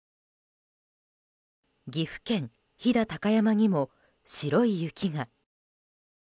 岐阜県飛騨高山にも白い雪が。